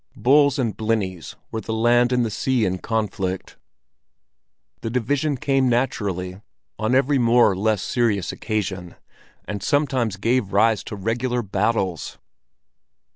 "Bulls" and "blennies" were the land and the sea in conflict; the division came naturally on every more or less serious occasion, and sometimes gave rise to regular battles.